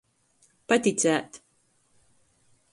Paticēt.